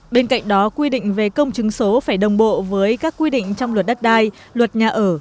bên cạnh đó quy định về công chứng số phải đồng bộ với các quy định trong luật đất đai luật nhà ở